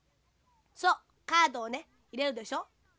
そうカードをねいれるでしょ。